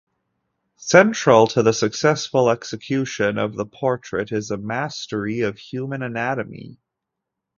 Central to the successful execution of the portrait is a mastery of human anatomy.